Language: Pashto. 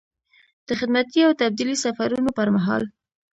د خدمتي او تبدیلي سفرونو پر مهال.